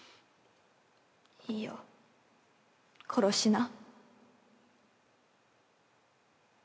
いいよ殺しな。